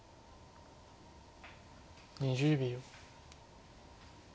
２０秒。